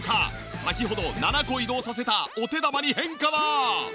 先ほど７個移動させたお手玉に変化は？